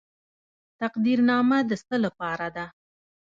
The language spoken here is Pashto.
تقدیرنامه د څه لپاره ده؟